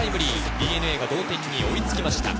ＤｅＮＡ、同点に追いつきました。